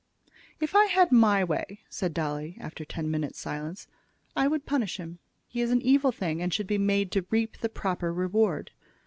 "If I had my way," said Dolly, after ten minutes' silence, "I would punish him. He is an evil thing, and should be made to reap the proper reward.